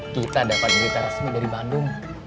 kita dapat berita resmi dari bandung